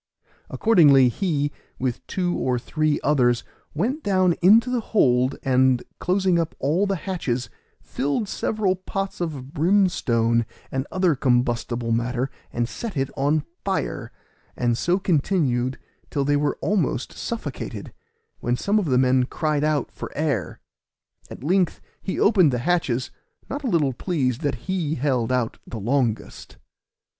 Accordingly he, with two or three others, went down into the hold, and closing up all the hatches, filled several pots full of brimstone and other combustible matter, and set it on fire, and so continued till they were almost suffocated, when some of the men cried out for air. At length he opened the hatches, not a little pleased that he held out the longest.